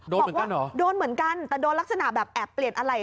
โดนเหมือนกันเหรอโดนเหมือนกันแต่โดนลักษณะแบบแอบเปลี่ยนอะไร